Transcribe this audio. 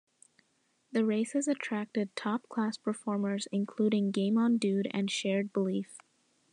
The race has attracted top-class performers including Game On Dude and Shared Belief.